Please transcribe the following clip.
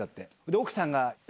奥さんが、え？